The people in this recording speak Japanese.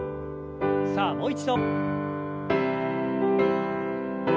さあもう一度。